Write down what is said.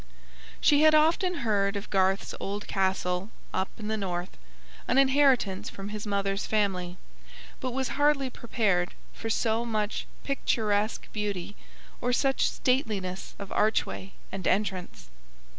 She had often heard of Garth's old castle up in the North, an inheritance from his mother's family, but was hardly prepared for so much picturesque beauty or such stateliness of archway and entrance.